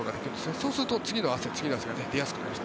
そうすると次の汗が出やすくなるんです。